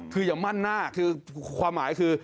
คืออย่ามั่นหน้าคือความหมายคือ